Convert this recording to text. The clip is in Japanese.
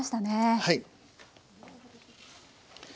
はい。